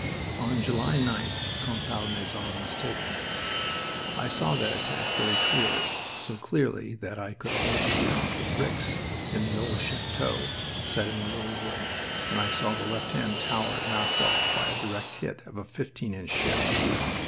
On July 9th Contalmaison was taken. I saw that attack very clearly, so clearly that I could almost count the bricks in the old chateau set in a little wood, and saw the left hand tower knocked off by the direct hit of a fifteen inch shell.